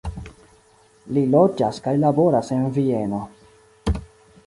Li loĝas kaj laboras en Vieno.